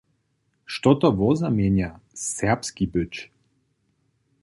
Što to woznamjenja, "serbski" być?